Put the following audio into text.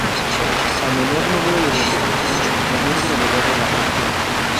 A menor número de repeticiones, mayor gravedad de la afección.